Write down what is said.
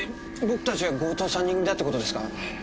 僕たちが強盗３人組だって事ですか？